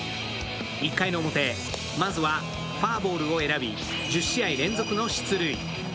１回の表、まずはフォアボールを選び１０試合連続の出塁。